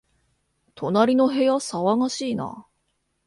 隣の部屋、騒がしいな